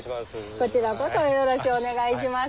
こちらこそよろしゅうお願いします。